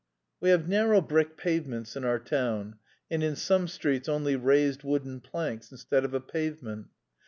We have narrow brick pavements in our town, and in some streets only raised wooden planks instead of a pavement.